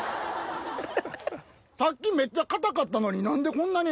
さっきめっちゃ硬かったのに何でこんなに。